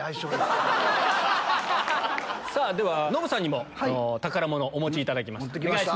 ではノブさんにも宝物をお持ちいただきました。